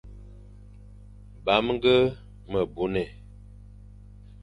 Bamge me buné,